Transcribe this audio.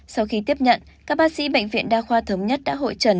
sau khi tiếp nhận các bác sĩ bệnh viện đa khoa thống nhất đã hội trần